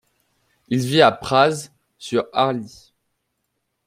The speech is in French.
Il vit à Praz sur Arly.